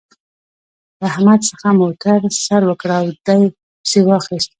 له احمد څخه موتر سر وکړ او دې پسې واخيست.